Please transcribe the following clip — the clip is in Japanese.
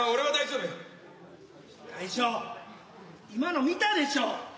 大将今の見たでしょ。